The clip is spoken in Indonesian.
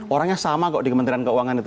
orangnya sama kok di kementerian keuangan itu